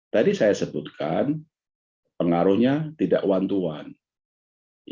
tadi saya sebutkan pengaruhnya tidak one to one